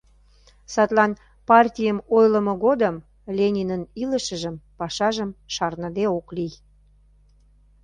Садлан партийым ойлымо годым Ленинын илышыжым, пашажым шарныде ок лий.